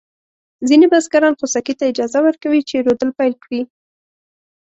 ځینې بزګران خوسکي ته اجازه ورکوي چې رودل پيل کړي.